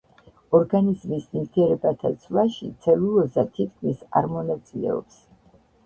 ორგანიზმის ნივთიერებათა ცვლაში ცელულოზა თითქმის არ მონაწილეობს.